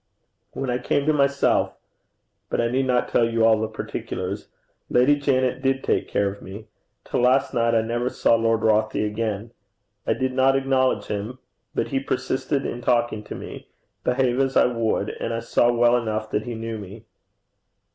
When I came to myself but I need not tell you all the particulars. Lady Janet did take care of me. Till last night I never saw Lord Rothie again. I did not acknowledge him, but he persisted in talking to me, behave as I would, and I saw well enough that he knew me.'